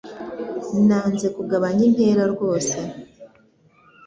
Nanze kugabanya intera rwose